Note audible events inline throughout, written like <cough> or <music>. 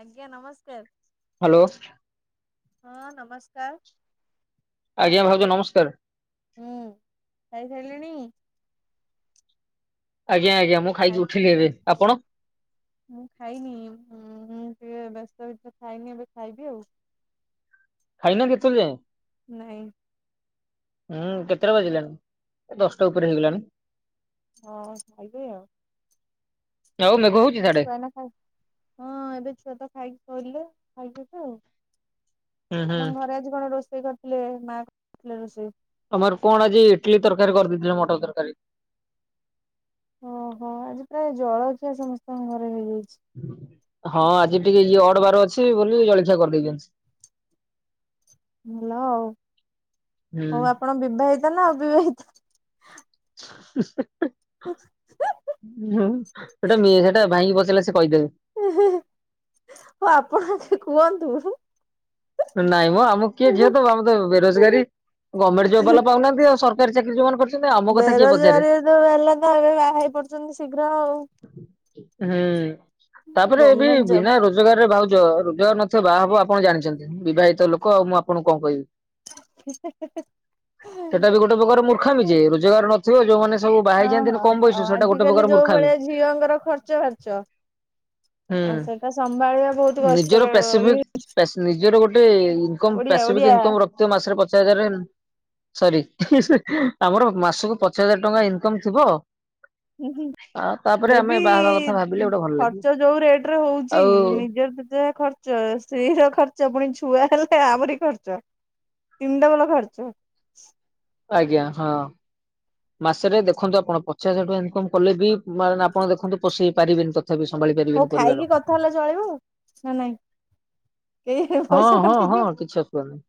ଆଜ୍ଞା ନମସ୍କାର। ହାଲୋ। ହଁ ନମସ୍କାର। ଆଜ୍ଞା ଭାଉଜ ନମସ୍କାର। ହୁଁ ଖାଇ ସାଇଲେଣି? ଆଜ୍ଞା ଆଜ୍ଞା ମୁଁ ଖାଇକି ଖାଇ ଉଠିଲି ଏବେ, ଆପଣ? ମୁଁ ଖାଇନି ଉଁ ହୁଁ ଟିକେ ବ୍ୟସ୍ତ ଭିତରେ ଖାଇନି ଏବେ ଖାଇବି ଆଉ। ଖାଇନ କି ଏତୋଳ ଯାଏଁ? ନାଇଁ। ଉଁ କେତେଟା ବାଜିଲାଣି? ଏ ଦଶଟା ଉପରେ ହେଇଗଲାନି। ହଁ ଖାଇବି ଆଉ। ଆଉ ମେ ମୋ ଛୁଆ ଏନା ଖାଇ ହଁ ଏବେ ଛୁଆ ତ ଖାଇକି ଗଲେ ଖାଇବି ଏବେ ଆଉ। ହୁଁ ହୁଁ ଆପଣଙ୍କ ଘରେ ଆଜି କଣ ରୋଷେଇ କରିଥିଲେ ମା ଥିଲେ ରୋଷେଇ? ଆମର କଣ ଆଜି ଇଟିଲି ତରକାରୀ କରିଦେଇଥିଲେ ମଟର ତରକାରୀ। ଓହୋ ଆଜି ପ୍ରାୟ ଜଳଖିଆ ସମସ୍ତଙ୍କ ଘରେ ହେଇଯାଇଛି। ହଁ ଆଜି ଟିକେ ଇଏ ଅଡ ବାର ଅଛି ବୋଲି ଜଳଖିଆ କରିଦେଇଛନ୍ତି। <inaudible> ଭଲ ଆଉ ହୁଁ। ହଉ ଆପଣ ବିବାହିତ ନା ଅବିବାହିତ? <inaudible> <unintelligible> ଉ ହୁଁ ସେଟା ଇଏ ସେଟା ଭାଇଙ୍କି ପଚାରିଲେ ସେ କହିଦେବେ। ହଉ ଆପଣ ଆଗେ କୁହନ୍ତୁ। ନାଇଁ ମ ଆମକୁ କିଏ ଝିଅ ଦବ ଆମେ ତ ବେରୋଜଗାରୀ ଗର୍ବମେଣ୍ଟ ଜବ ବାଲା ପାଉନାହାନ୍ତି ଆଉ ସର କାରୀ ଚାକିରୀ ଯୋଉମାନେ କରି ବେରୋଜଗାରୀ ତ ୱାଲା ତ ଏବେ ବାହା ହେଇ ପଡୁଛନ୍ତି ଶୀଘ୍ର ଆଉ ହୁଁ ତାପରେ ଏବେ ଗମେଣ୍ଟ ଜବ ବିନା ରୋଜ ଜଗାରରେ ଭଉଜ ରୋଜଗାର ନଥିବ ବାହା ହବ ଆପଣ ଜାଣିଛନ୍ତି ବିବାହିତ ଲୋକ ଆଉ ମୁଁ ଆପଣଙ୍କୁ କଣ କହିବି। ହେ ହେ ହେ ହେ। ସେଟା ବି ଗୋଟେ ପ୍ରକାର ମୁର୍ଖାମି ଯେ ରୋଜଗାର ନଥିବ ଯୋଉମାନେ ସବୁ ବାହା ହେଇଯାନ୍ତିି ନି ହଁ କମ ହଁ ବୟସ ସେଇଟା ଗୋଟେ ଆଜିକାଲି ପ୍ରକାର ଯୋଉ ଭଳିଆ ମୁର୍ଖାମି। ଝିଅଙ୍କର ଖର୍ଚ୍ଚ ବାର୍ଚ ହୁଁ ଆଁ ସେଟା ସମ୍ଭାଳିବା ବହୁତ କଷ୍ଟ ନିଜର ର ପ୍ୟାସିଫିକ ଏ ପ୍ୟାସ୍ ନିଜର ଗୋଟେ ଇନକମ ଓଡିଆ ପାସିଫିକ ଇନକମ ରଖିଥିବେ ମାସରେ ପଚାଶ ହଜାର ସରି ଆମର ମାସକୁ ପଚାଶ ହଜାର ଟଙ୍କା ଇନକମ ଥିବ ହୁଁ ହୁଁ। ହଁ ତା ପ ହେଲେ ବି ଉଁ ଖର୍ଚ୍ଚ ଯୋଉ ରେଟ ରେ ହଉଛି ଆଉ ନିଜର ତ ଯା ଖର୍ଚ୍ଚ ର୍ସ୍ତ୍ରୀ ର ଖର୍ଚ୍ଚ ପୁଣି ଛୁଆ ହେଲେ ଆହୁରି ଖର୍ଚ୍ଚ ତିନ୍ ଡବଲ ଖର୍ଚ୍ଚ। ଆଜ୍ଞା ହଁ। ମାସରେ ଦେଖନ୍ତୁ ଆପଣ ପଚାଶ ହଜାର ଟଙ୍କା ଇନକମ୍ କଲେ ବି ମାନେ ଆପଣ ଦେଖନ୍ତୁ ପୋଷେଇ ପାରିବେନି ତ ତଥାପି ସମ୍ଭାଳିପାରି ହଉ ଖାଇକି କଥା ହେଲେ ଚଳିବ ନା ନାଇଁ କେଜାଣେ ହଁ ପଇସା ହଁ ହଁ କଟିଯିବ। କିଛି ଅସୁବିଧା ନାହିଁ।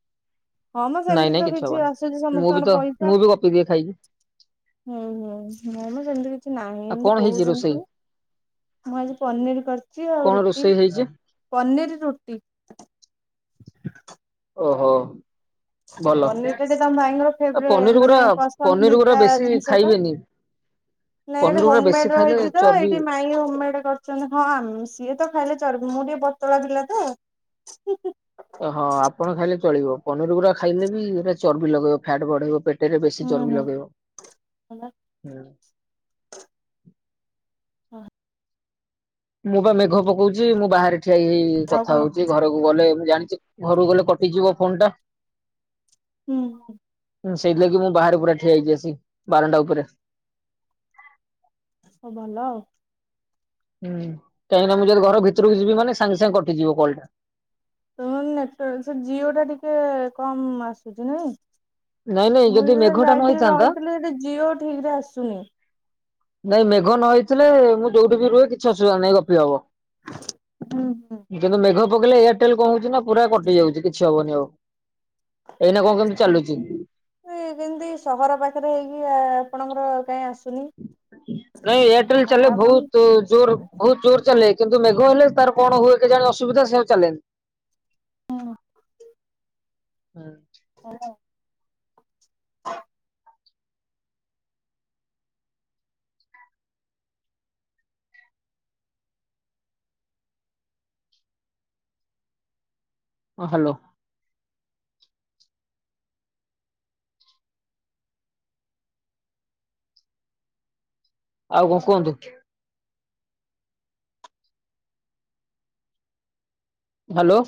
ହଁ ମ ନାଇଁ ସେମିତି ନାଇଁ ତ କିଛି ହବନି। ଆସୁଛି ମୁଁ ବି ତ ସମସ୍ତଙ୍କର ପଇସା। ମୁଁ ବି ଗପିଦିଏ ଖାଇକି ହୁଁ ହୁଁ ନାଇଁ ମ ସେମିତି କିଛି ନାହିଁ ଆଉ ଏମିତି କଣ ହେଇଛି କହୁଛନ୍ତି ରୋଷେଇ ସିନା ମୁଁ ଆଜି ପନିର କରିଛି ଆଉ କଣ ରୁଟି ରୋଷେଇ ହେଇଛି? ପନିର ରୁଟି ଓହୋ। ଭଲ ପନିର ଟା ଯେ ତମ ଭାଇଙ୍କର ଫେବରେ ପନିର ଗୁରା ମାନେ ପନିର ଗୁରା ପସନ୍ଦିତା ବେଶୀ ଜିନିଷ ଟା। ଖାଇବେନି ନାଇଁ ଏଟା ପନିର ଗୁରା ବେଶୀ ହୋମେଡ ଖାଇଲେ ରହିଛି ତ ଚର୍ବି ଏଇଠି ମାଇଁ ହୋମମେଡ କରି ହଁ ଉଁ ସିଏ ତ ଖାଇଲେ ଚର୍ବି ମୁଁ ଟିକେ ପତଳା ପିଲା ତ। ହଁ ଆପଣ ଖାଇଲେ ଚଳିବ ପନିର ଗୁରା ଖାଇଲେ ବି ସେଇଟା ଚର୍ବି ଲଗେଇବ ଫ୍ୟାଟ୍ ବଢେଇବ ପେଟ ଟିରେ ବେଶୀ ହୁଁ ଚର୍ବି ହୁଁ ଲଗେଇବ ହୁଁ। ଓହୋ। ମୁଁ ବା ମେଘ ପକଉଛି, ମୁଁ ବାହାରେ ଠିଆ ହେଇ ହେଇ ଆଉ କଥା କଣ ହଉଛି ଘରକୁ ଗଲେ ମୁଁ ଜାଣିଛି, ଘରକୁ ଗଲେ କଟିଯିବ ଫୋନ ଟା। ହୁଁ ହୁଁ। ହୁ ସେଇଥିଲାଗି, ମୁଁ ବାହାରେ ପୁରା ଠିଆ ହେଇଛି ଆସି ବାରଣ୍ଡା ଉପରେ। ସ ଭଲ। ହୁଁ କାହିଁକି ନା, ମୁଁ ଯଦି ଘର ଭିତରକୁ ଯିବି ମାନେ ସାଙ୍ଗେ ସାଙ୍ଗେ କଟିଯିବ କଲ୍ ଟା। ତମ ର ନେଟୱର୍କ ସେ, ଜିଓ ଟା ଟିକେ କମ ଆସୁଛି ନାଇଁ। ନାଇଁ ନାଇଁ ମୁଁ ଯଦି ଯେବେ ମେଘଟା ନ ଯାଇଥିଲି ହେଇଥାନ୍ତା ରହିଥିଲି ସେଟି ଜି ଓ ଠିକ ରେ ଆସୁନି। ନାଇଁ ମେଘ ନ ହେଇଥିଲେ, ମୁଁ ଯୋଉଠି ବି ରୁହେ କିଛି ଅସୁବିଧା ନାହିଁ ଗପି ହବ। ହୁଁ ହୁଁ କିନ୍ତୁ ମେଘ ପକେଇଲେ, ଏୟାରଟେଲ କଣ ହଉଛି ନା ପୁରା କଟି ଯାଉଛି କିଛି ହବନି ଆଉ, ଏଇନା କଣ କେମିତି ଚାଲୁଚି। ସେ କେମିତି ସହର ପାଖରେ ହେଇକି ଆ ଆପଣଙ୍କର କାଇ ଆସ ନାଇଁ ଏୟାରଟେଲ ଚାଲେ ଆପଣ ବହୁତ ଜୋର ବହୁତ ଜୋର ଚାଲେ। କିନ୍ତୁ ମେଘ ହେଲେ ତାର କଣ ହୁଏ କେଜାଣି ଅସୁବିଧା ସେ ଆଉ ଚାଲେନି। ହଁ। ହୁଁ। ହଁ। ହଁ। ହଁ ହ୍ୟାଲୋ। ଆଉ କଣ କୁହନ୍ତୁ। ହ୍ୟାଲୋ।